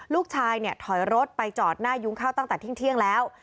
ลูกชายถอยรถไปจอดหน้ายุ้งเข้าตั้งแต่ทิ้งเที่ยงแล้ว